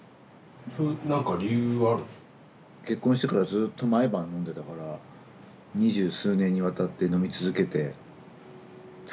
結婚してからずっと毎晩飲んでたから二十数年にわたって飲み続けて疲れてきたみたいなことかな。